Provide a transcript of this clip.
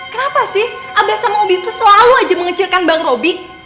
kenapa sih abah sama umi tuh selalu aja mengecilkan bang robi